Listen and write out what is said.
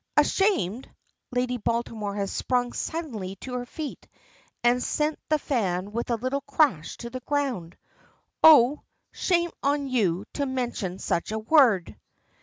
"Ashamed!" Lady Baltimore has sprung suddenly to her feet, and sent the fan with a little crash to the ground. "Oh! shame on you to mention such a word."